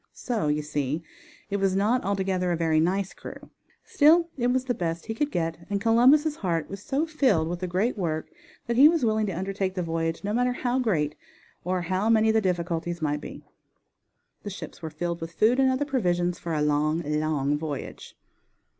So, you see, it was not altogether a very nice crew, still it was the best he could get, and Columbus' heart was so filled with the great work that he was willing to undertake the voyage no matter how great or how, many the difficulties might be. The ships were filled with food and other provisions for a long, long voyage.